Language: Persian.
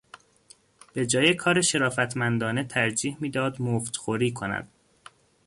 به جای کار شرافتمندانه ترجیح میداد مفتخوری کند.